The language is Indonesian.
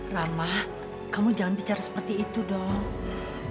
ramah kamu jangan bicara seperti itu dong